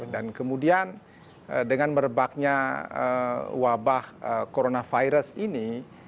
dan kemudian dengan merebaknya wabah coronavirus ini